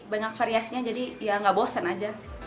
banyak variasinya jadi ya nggak bosen aja